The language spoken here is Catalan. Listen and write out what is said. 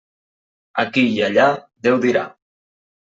Aquí i allà, Déu dirà.